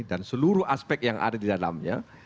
dan seluruh aspek yang ada di dalamnya